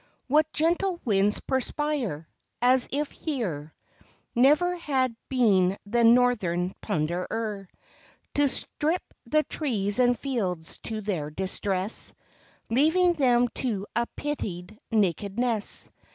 What gentle winds perspire! as if here Never had been the northern plunderer To strip the trees and fields, to their distress, Leaving them to a pitied nakedness.